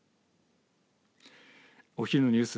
お昼のニュース